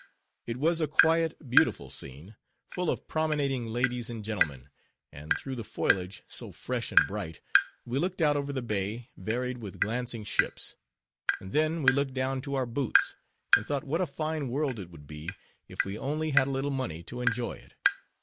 It was a quiet, beautiful scene; full of promenading ladies and gentlemen; and through the foliage, so fresh and bright, we looked out over the bay, varied with glancing ships; and then, we looked down to our boots; and thought what a fine world it would be, if we only had a little money to enjoy it.